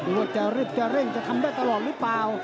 ว่าจะรีบจะเร่งจะทำได้ตลอดหรือเปล่า